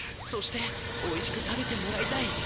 そしておいしく食べてもらいたい。